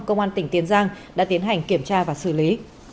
công an tỉnh tiền giang đã tiến hành kiểm tra và xử lý